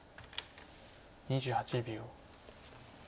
２８秒。